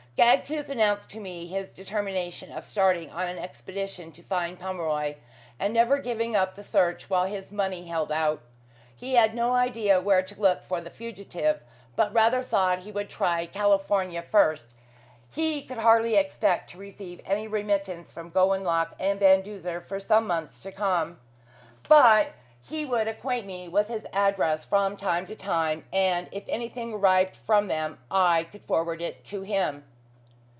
Gagtooth announced to me his determination of starting on an expedition to find Pomeroy, and never giving up the search while his money held out. He had no idea where to look for the fugitive, but rather thought he would try California first. He could hardly expect to receive any remittance from Gowanlock and Van Duzer for some months to come, but he would acquaint me with his address from time to time, and, if anything arrived from them I could forward it to him.